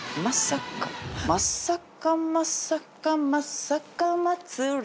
まさかまさかまさか。